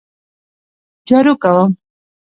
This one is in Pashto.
جارو کوم